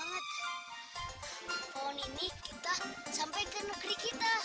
mungkin lima buah biji bijian ini akan membawa kita kembali ke negeri kita lagi